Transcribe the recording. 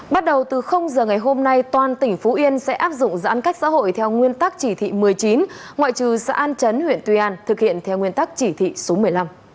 bắt đầu từ giờ ngày hôm nay toàn tỉnh phú yên sẽ áp dụng giãn cách xã hội theo nguyên tắc chỉ thị một mươi chín ngoại trừ xã an chấn huyện tuy an thực hiện theo nguyên tắc chỉ thị số một mươi năm